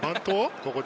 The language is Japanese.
ここで。